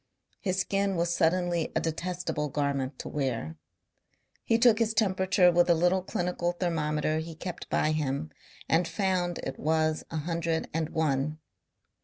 His skin was suddenly a detestable garment to wear. He took his temperature with a little clinical thermometer he kept by him and found it was a hundred and one.